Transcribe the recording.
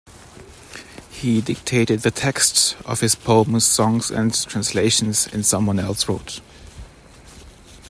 He dictated the text of his poems, songs and translations, and someone else wrote.